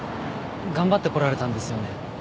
頑張ってこられたんですよね